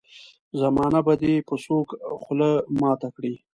زمانه به دي په سوک خوله ماته کړي.